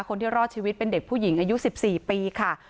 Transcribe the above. คนที่รอดชีวิตเป็นเด็กผู้หญิงอายุ๑๔ปีค่ะ